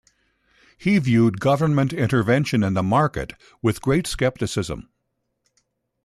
He viewed government intervention in the market with great skepticism.